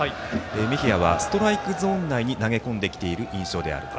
メヒアはストライクゾーン内に投げ込んできている印象であると。